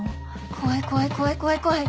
怖い怖い怖い怖い怖い！